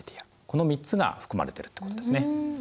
この３つが含まれてるってことですね。